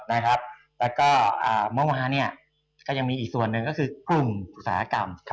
แล้วก็เมื่อวานก็ยังมีอีกส่วนหนึ่งก็คือกลุ่มอุตสาหกรรม